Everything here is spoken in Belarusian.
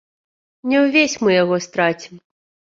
Не ўвесь мы яго страцім.